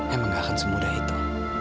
emang gak akan semudah itu